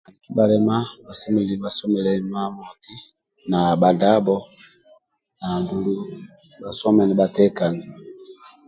Bhalema bhasemelelu bhasomiliye mamoti na bhadabho andulu bhasome nibhatekani